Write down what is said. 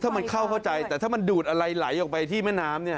ถ้ามันเข้าเข้าใจแต่ถ้ามันดูดอะไรไหลออกไปที่แม่น้ำเนี่ย